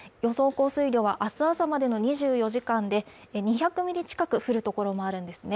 降水量はあす朝までの２４時間で２００ミリ近く降るところもあるんですね